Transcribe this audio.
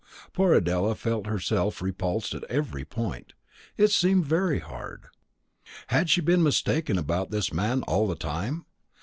Poor Adela felt herself repulsed at every point. It seemed very hard. Had she been mistaken about this man all the time?